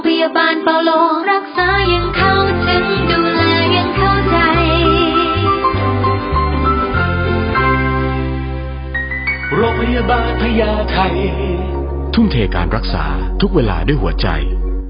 โปรดติดตามตอนต่อไป